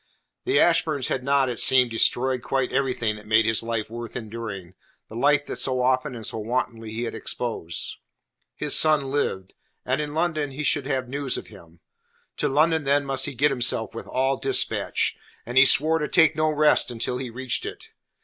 The Ashburns had not, it seemed, destroyed quite everything that made his life worth enduring the life that so often and so wantonly he had exposed. His son lived, and in London he should have news of him. To London then must he get himself with all dispatch, and he swore to take no rest until he reached it.